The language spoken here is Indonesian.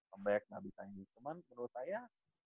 lembek gak bisa ini cuman menurut saya